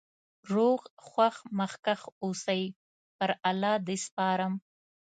روغ خوښ مخکښ اوسی.پر الله د سپارم